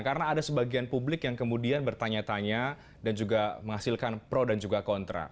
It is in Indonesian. karena ada sebagian publik yang kemudian bertanya tanya dan juga menghasilkan pro dan juga kontra